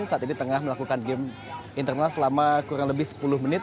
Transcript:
saat ini tengah melakukan game internal selama kurang lebih sepuluh menit